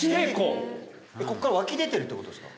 こっから湧き出てるってことですか？